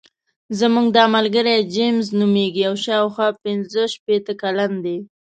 زموږ دا ملګری جیمز نومېږي او شاوخوا پنځه شپېته کلن دی.